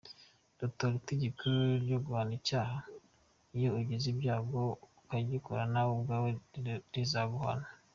Nutora itegeko ryo guhana icyaha, iyo ugize ibyago ukagikora nawe ubwawe rizaguhana.